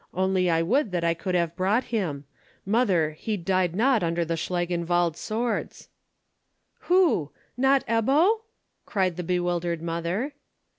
Only I would that I could have brought him. Mother, he died not under the Schlangenwald swords." "Who? Not Ebbo?" cried the bewildered mother.